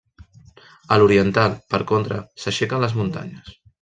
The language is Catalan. A l'oriental, per contra, s'aixequen les muntanyes.